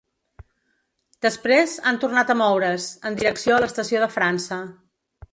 Després, han tornat a moure’s, en direcció a l’estació de França.